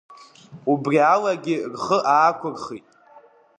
Убри алагьы рхы аақәырхит.